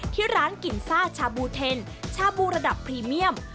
ที่ร้านกลิ่นซ่าชาบูเทนชาบูระดับพรีเมียม